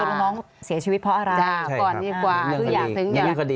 ว่าตัวน้องเสียชีวิตเพราะอะไรก่อนดีกว่า